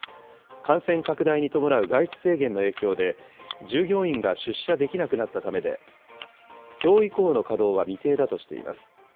感染拡大に伴う外出制限の影響で、従業員が出社できなくなったためで、きょう以降の稼働は未定だとしています。